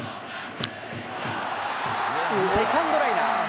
セカンドライナー。